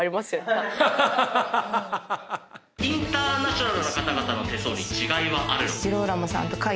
インターナショナルな方々の手相に違いはあるのか？